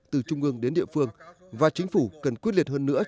từ trung ương đến địa phương và chính phủ cần quyết liệt hơn nữa